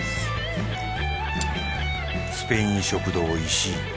スペイン食堂石井。